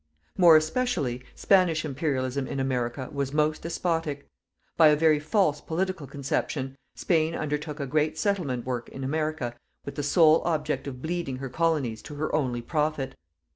More especially, Spanish Imperialism in America was most despotic. By a very false political conception, Spain undertook a great settlement work in America with the sole object of bleeding her colonies to her only profit.